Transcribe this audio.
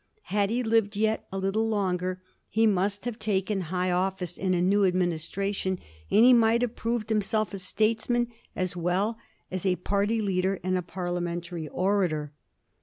Had he lived yet a little longer he must have taken high office in a new administration, and he might have proved himself a statesman as well as a party leader and a parliamentary orator.